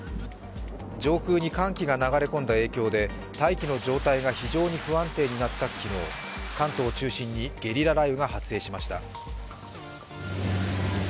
上空に寒気が流れ込んだ影響で大気の状態が非常に不安定になった昨日、関東を中心にゲリラ雷雨が発生しました。